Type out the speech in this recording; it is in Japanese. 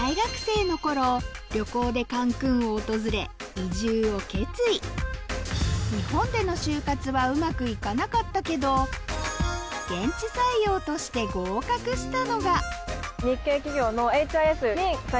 移住を決意日本での就活はうまく行かなかったけど現地採用として合格したのが日系企業の。